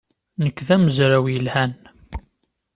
Nekk d amezraw yelhan.